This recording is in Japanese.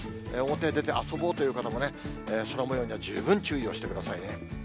表へ出て遊ぼうという方もね、空もようには十分注意をしてくださいね。